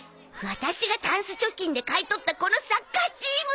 ワタシがタンス貯金で買い取ったこのサッカーチーム！